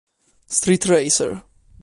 Street Racer